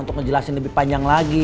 untuk ngejelasin lebih panjang lagi